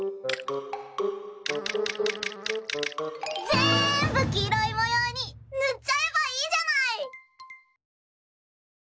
ぜーんぶきいろいもようにぬっちゃえばいいじゃない！